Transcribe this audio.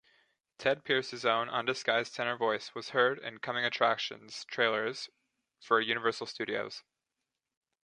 Tedd Pierce's own, undisguised tenor voice was heard in coming-attractions trailers for Universal Studios.